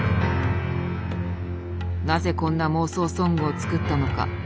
なぜこんな妄想ソングを作ったのか。